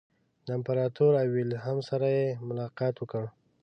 د امپراطور ویلهلم سره یې ملاقات وکړ.